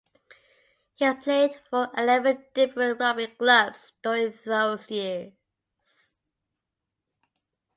He played for eleven different rugby clubs during those years.